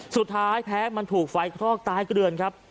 สุดท้ายแพ้มันถูกไฟคลอกตายเกลือนครับ